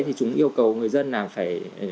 thì chúng yêu cầu người dân là phải